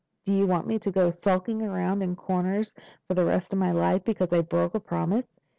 Do you want me to go skulking around in corners for the rest of my life because I broke a promise?"